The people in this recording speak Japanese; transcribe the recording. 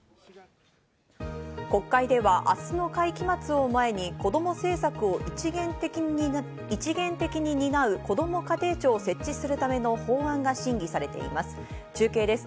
国会では明日の会期末を前に子供政策を一元的に担うこども家庭庁を設置するための法案が審議されています。